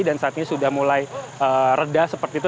dan saat ini sudah mulai reda seperti itu